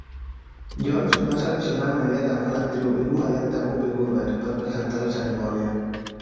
Jones va seleccionar immediatament l'actriu i comedianta Whoopi Goldberg per presentar la cerimònia.